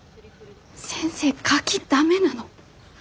先生カキ駄目なの！